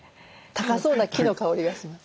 高そうな木の香りがします。